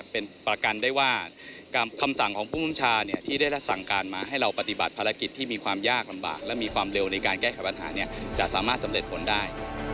เป็นประกันได้ว่าคำสั่งของภูมิชาที่ได้สั่งการมาให้เราปฏิบัติภารกิจที่มีความยากลำบากและมีความเร็วในการแก้ไขปัญหาจะสามารถสำเร็จผลได้